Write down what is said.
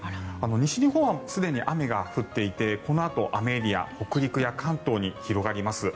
西日本、すでに雨が降っていてこのあと、雨エリアは北陸や関東に広がります。